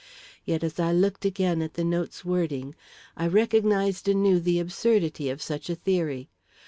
Yet as I looked again at the note's wording, I recognised anew the absurdity of such a theory.